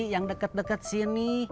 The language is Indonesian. yang dekat dekat sini